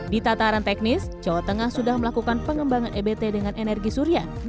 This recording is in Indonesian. di tataran teknis jawa tengah sudah melakukan pengembangan ebt dengan energi surya